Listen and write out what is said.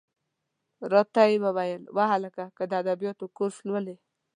را ته یې وویل: وهلکه! که د ادبیاتو کورس لولې.